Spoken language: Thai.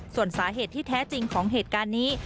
ส่วนสาเหตุที่แท้จริงของเหตุการณ์นี้